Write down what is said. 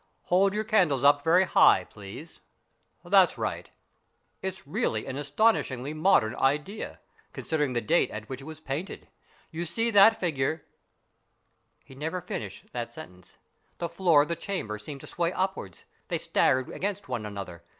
Hold your candles up very high, please. That's right. It's really an astonishingly modern idea, considering the date at which it was painted. You see that figure " He never finished that sentence. The floor of the chamber seemed to sway upwards. They staggered against one another.